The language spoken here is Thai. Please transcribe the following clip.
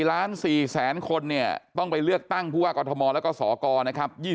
๔๔ล้านคนต้องไปเลือกตั้งผู้ว่ากอทมและก็สกนะครับ